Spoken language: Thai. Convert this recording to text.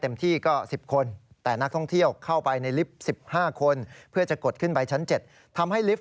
มีเสียงแต่ประตูยังปิดใช่ไหม